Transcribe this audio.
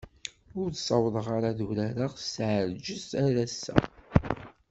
Ur ssawḍeɣ ara ad urareɣ s tɛelǧet ar ass-a.